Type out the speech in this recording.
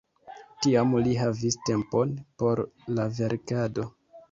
Tiam li havis tempon por la verkado.